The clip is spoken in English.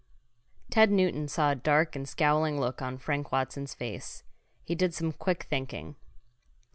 Ted Newton saw a dark and scowling look on Frank Watson's face. He did some quick thinking.